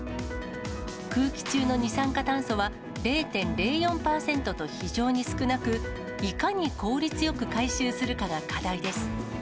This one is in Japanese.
空気中の二酸化炭素は０．０４％と非常に少なく、いかに効率よく回収するかが課題です。